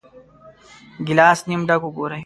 ګیلاس نیم ډک وګورئ.